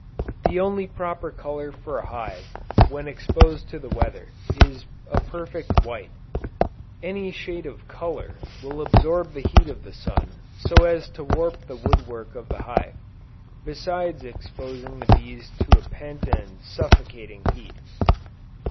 The only proper color for a hive when exposed to the weather, is a perfect white; any shade of color will absorb the heat of the sun, so as to warp the wood work of the hive, besides exposing the bees to a pent and suffocating heat.